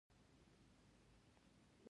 په افغانستان کې د د ریګ دښتې منابع شته.